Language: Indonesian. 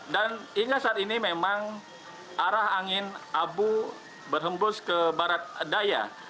dan hingga saat ini memang arah angin abu berhembus ke barat daya